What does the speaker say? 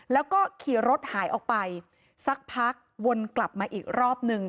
แล้วก็ขี่รถหายออกไปสักพักวนกลับมาอีกรอบนึง